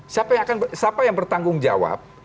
siapa yang bertanggung jawab